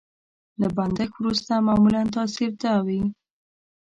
له بندښت وروسته معمولا تاثر دا وي.